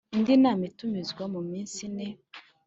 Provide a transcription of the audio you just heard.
indi nama itumizwa mu minsi ine